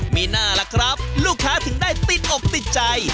มีหน้าล่ะครับลูกค้าถึงได้ติดอกติดใจ